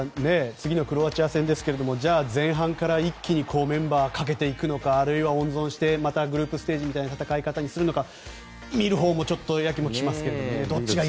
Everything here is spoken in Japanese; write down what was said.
次のクロアチア戦ですけども前半から一気にメンバーをかけていくのかあるいは温存してグループステージみたいな戦い方にするのか見るほうもやきもきしますけどね。